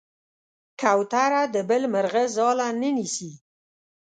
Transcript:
کوتره د بل مرغه ځاله نه نیسي.